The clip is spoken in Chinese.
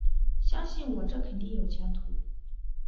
相信我，这肯定有前途